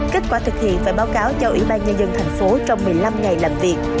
kết quả thực hiện phải báo cáo cho ủy ban nhân dân thành phố trong một mươi năm ngày làm việc